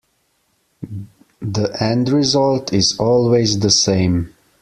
The end result is always the same.